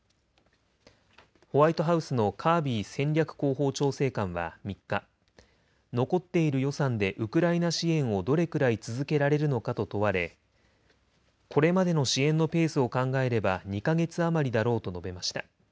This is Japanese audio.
ホワイトハウスのカービー戦略広報調整官は３日、残っている予算でウクライナ支援をどれくらい続けられるのかと問われこれまでの支援のペースを考えれば２か月余りだろうと述べました。